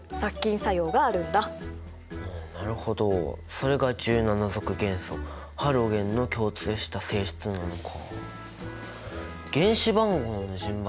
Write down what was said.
それが１７族元素ハロゲンの共通した性質なのか。